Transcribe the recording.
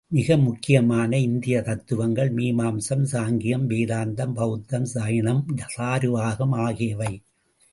மிக முக்கியமான இந்திய தத்துவங்கள், மீமாம்சம், சாங்கியம், வேதாந்தம், பெளத்தம் ஜைனம் சாரு வாகம் ஆகியவை.